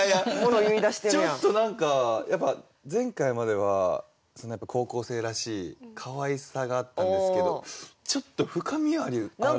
ちょっと何かやっぱ前回までは高校生らしいかわいさがあったんですけどちょっと深みあるなって。